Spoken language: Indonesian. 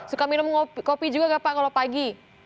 suka minum kopi juga nggak pak kalau pagi